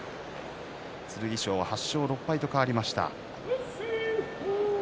剣翔は８勝６敗と変わりました。